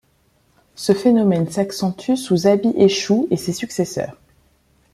Ce phénomène s'accentue sous Abi-eshuh et ses successeurs.